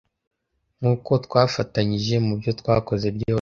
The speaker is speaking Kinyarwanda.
nk’uko twafatanyije mu byo twakoze byose